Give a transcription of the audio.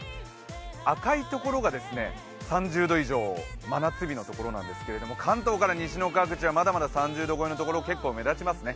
赤い所が３０度以上、真夏日の所なんですけど関東から西の各地はまだまだ３０度超えのところ結構目立ちますね。